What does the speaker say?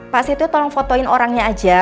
pak setio tolong fotoin orangnya aja